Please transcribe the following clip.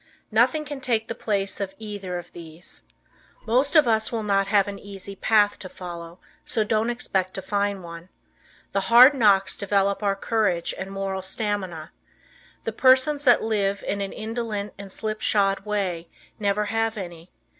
Nothing can take the place of either of these. Most of us will not have an easy path to follow so don't expect to find one. The hard knocks develop our courage and moral stamina. The persons that live in an indolent and slipshod way never have any.